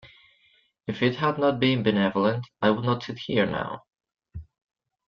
If it had not been benevolent, I would not sit here now.